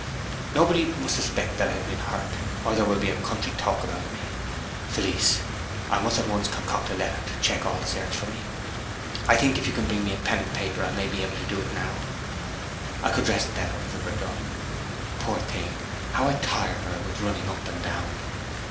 Nobody must suspect that I have been hurt, or there will be a country talk about me. Felice, I must at once concoct a letter to check all search for me. I think if you can bring me a pen and paper I may be able to do it now. I could rest better if it were done. Poor thing! how I tire her with running up and down!"